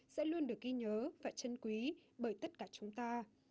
sẽ luôn được ghi nhớ và chân quý bởi tất cả chúng ta